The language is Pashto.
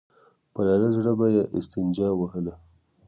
په ډاډه زړه به يې استنجا وهله.